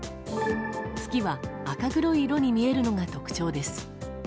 月は、赤黒い色に見えるのが特徴です。